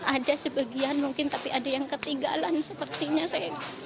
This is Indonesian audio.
ada sebagian mungkin tapi ada yang ketinggalan sepertinya saya